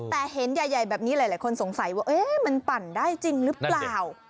แต่เห็นใหญ่แบบนี้หลายคนสงสัยว่ามันปั่นได้จริงหรือเปล่า